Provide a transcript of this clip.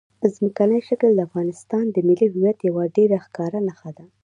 ځمکنی شکل د افغانستان د ملي هویت یوه ډېره ښکاره نښه ده.